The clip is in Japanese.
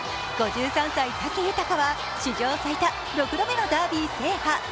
５３歳、武豊は史上最多６度目のダービー制覇。